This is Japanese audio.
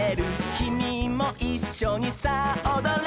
「きみもいっしょにさあおどれ」